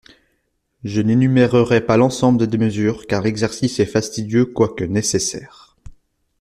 Je n’énumérerai pas l’ensemble des mesures car l’exercice est fastidieux quoique nécessaire.